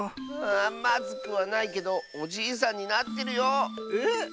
まずくはないけどおじいさんになってるよ。